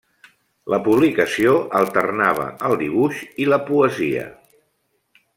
La publicació alternava el dibuix i la poesia.